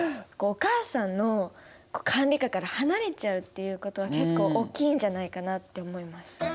お母さんの管理下から離れちゃうっていうことは結構おっきいんじゃないかなって思います。